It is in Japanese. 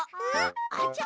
あちゃ。